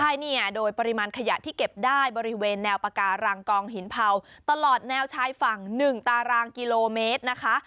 ใช่เนี่ยโดยปริมาณขยะที่เก็บได้บริเวณแนวปาการังกองหินเผาตลอดแนวชายฝั่ง๑ตารางกิโลเมตรนะคะ